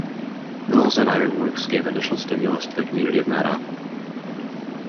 Mills and ironworks gave initial stimulus to the community of Madoc.